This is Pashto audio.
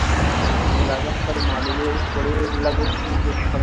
سوداګر خپلې معاملې اوس په ډیر لږ وخت کې بشپړوي.